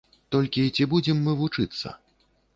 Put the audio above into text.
Толькі ці будзем мы вучыцца?